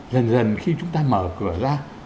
dần dần khi chúng ta mở cửa ra